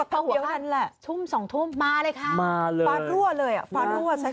ตรงเดียวกันแหละทุ่มสองทุ่มมาเลยค่ะมาเลยฟ้ารั่วเลยอ่ะฟ้ารั่ว